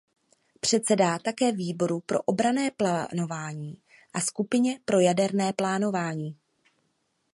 Předsedá také "Výboru pro obranné plánování" a "Skupině pro jaderné plánování".